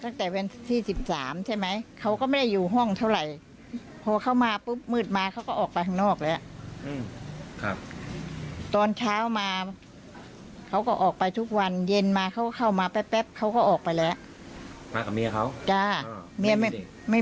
แค่ธรรมดาเหมือนเราธรรมดามาพูดจาดี